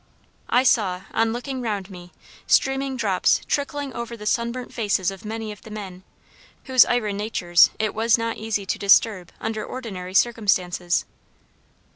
I saw, on looking round me, streaming drops trickling over the sunburnt faces of many of the men, whose iron natures it was not easy to disturb under ordinary circumstances.